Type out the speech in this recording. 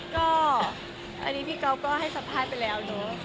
ก็อันนี้พี่ก๊อฟก็ให้สัมภาษณ์ไปแล้วเนอะ